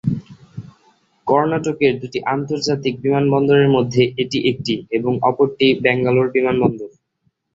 কর্ণাটকের দুটি আন্তর্জাতিক বিমানবন্দরের মধ্যে এটি একটি এবং অপরটি ব্যাঙ্গালোর বিমানবন্দর।